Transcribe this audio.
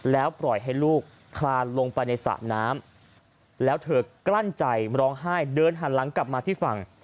แล้วปล่อยให้ลูกคลานลงไปในสระน้ำแล้วเธอกลั้นใจร้องไห้เดินหันหลังกลับมาที่ฝั่ง